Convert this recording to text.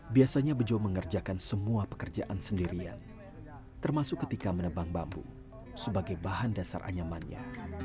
biasanya bejo mengerjakan semua pekerjaan sendirian termasuk ketika menebang bambu sebagai bahan dasar anyamannya